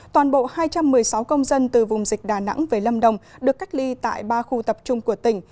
toàn bộ hai trăm một mươi sáu công dân từ vùng dịch đà nẵng về lâm đồng được cách ly tại ba khu tập trung của tỉnh